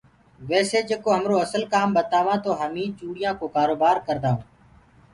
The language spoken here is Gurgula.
ويسي جيڪو همرو اسل ڪام ٻتاوآنٚ تو همي چوڙيانٚ ڪو ڪآرو بآر ڪردآ هونٚ۔